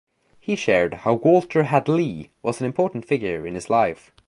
He shared how Walter Hadlee was an important figure in his life.